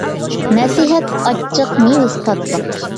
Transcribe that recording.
نەسىھەت ئاچچىق، مېۋىسى تاتلىق.